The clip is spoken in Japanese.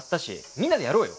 みんなでやろうよ！